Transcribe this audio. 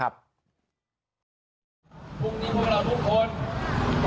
คุณของเราทุกคนระสนงล์จะกระไล่พระรุนเช่นมั้ยค่ะ